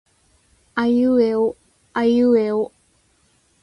あいうえおあいうえお